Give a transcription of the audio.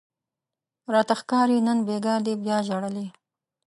راته ښکاري نن بیګاه دې بیا ژړلي